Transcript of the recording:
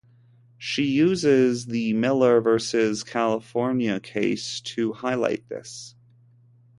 She uses the Miller versus California case to highlight this.